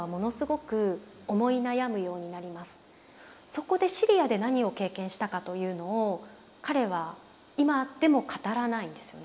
そこでシリアで何を経験したかというのを彼は今でも語らないんですよ。